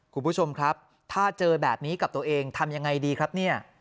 คุณผู้ชมครับถ้าเจอแบบนี้กับตัวเองทำยังไงดีครับเนี่ย